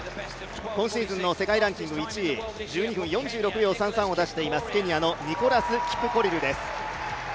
今シーズンの世界ランキング１位、１２分４６秒３３を出しています、ケニアのニコラス・キプコリルです